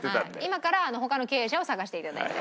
今から他の経営者を探して頂いて。